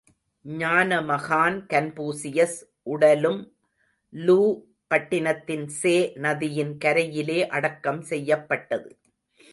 ஞானமகான் Confucius உடலும் Lu பட்டினத்தின் சே நதியின் கரையிலே அடக்கம் செய்யப்பட்டது.